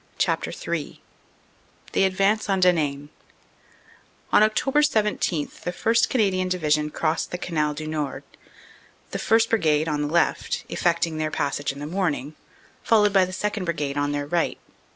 CHAPTER III THE ADVANCE ON DENAIN ON Oct. 17 the 1st. Canadian Division crossed the Canal du Nord, the 1st. Brigade, on the left, effecting their passage in the morning, followed by the 2nd. Brigade on their right.